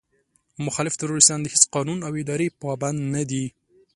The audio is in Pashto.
مخالف تروريستان د هېڅ قانون او ادارې پابند نه دي.